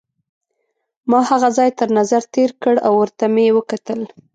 ما هغه ځای تر نظر تېر کړ او ورته مې وکتل.